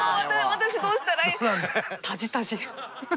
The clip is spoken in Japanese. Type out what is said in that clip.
私どうしたらいい。